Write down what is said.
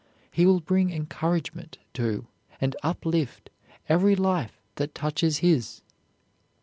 He will bring encouragement to and uplift every life that touches his.